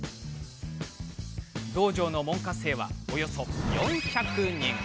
道場の門下生は、およそ４００人。